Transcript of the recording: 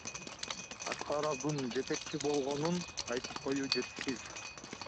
Аскаровдун жетекчи болгонун айтып коюу жетишсиз.